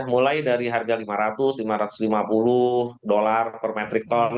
mulai dari harga lima ratus lima ratus lima puluh dolar per bulog